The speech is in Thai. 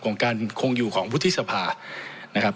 ของการคงอยู่ของวุฒิสภานะครับ